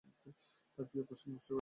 তার প্রিয় পোষাক নষ্ট করে দিব।